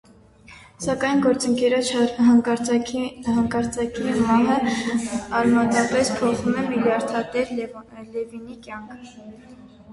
Սակայն գործընկերոջ հանկարծակի մահը արմատապես փոխում է միլիարդատեր Լևինի կյանքը։